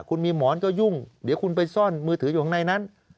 คุณมีหมอนก็ยุ่งเดี๋ยวคุณไปซ่อนมือถืออยู่ข้างในนั้น